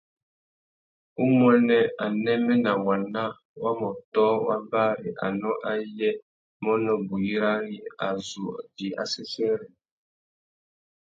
Umuênê, anêmê nà waná wa mà ôtō wa bari anô ayê mônô buriyari a zu djï assêssêrê.